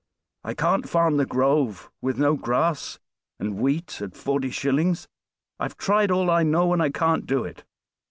I can't farm 'The Grove' with no grass, and wheat at forty shillings. I've tried all I know, and I can't do it.